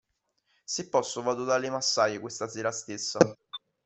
Se posso vado dalle massaie questa sera stessa.